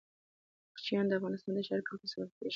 کوچیان د افغانستان د ښاري پراختیا سبب کېږي.